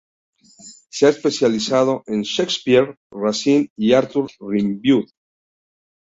Se ha especializado en Shakespeare, Racine y Arthur Rimbaud.